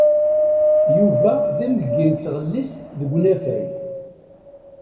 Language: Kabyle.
Yuba d ameggi n tɣellist deg unafag.